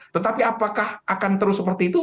tetapi apakah akan terus seperti itu